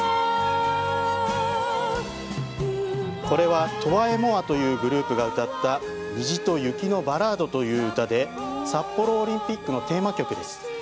これはトワ・エ・モワというグループが歌った「虹と雪のバラード」という歌で札幌オリンピックのテーマ曲です。